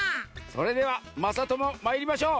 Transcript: それではまさともまいりましょう。